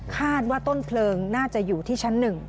คาดว่าต้นเพลิงน่าจะอยู่ที่ชั้น๑